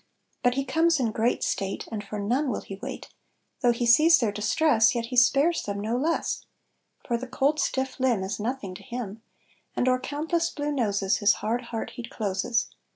But he comes in great state, And for none will he wait, Though he sees their distress Yet he spares them no less, For the cold stiff limb Is nothing to him; And o'er countless blue noses, His hard heart he closes.